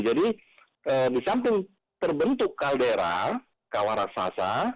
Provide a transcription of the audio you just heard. jadi di samping terbentuk kaldera kawarassasa